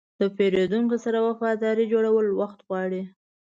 د پیرودونکو سره وفاداري جوړول وخت غواړي.